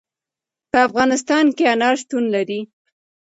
په افغانستان کې انار شتون لري.